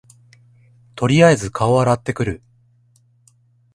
とりあえず顔洗ってくる